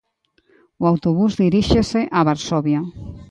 O autobús diríxese a Varsovia.